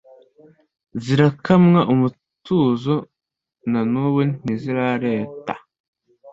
Zirakamwa umutuzo, Na n'ubu ntizirareta